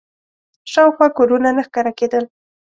شاوخوا کورونه نه ښکاره کېدل.